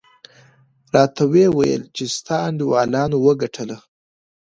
راته ویې ویل چې ستاسې انډیوالانو وګټله.